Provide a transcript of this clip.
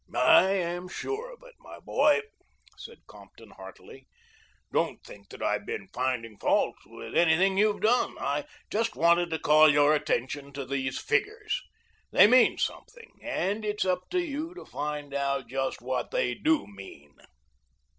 "I am sure of it, my boy," said Compton heartily. "Don't think that I have been finding fault with anything you have done. I just wanted to call your attention to these figures. They mean something, and it's up to you to find out just what they do mean."